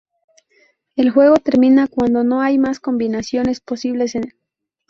El juego termina cuando no hay más combinaciones posibles en el tablero.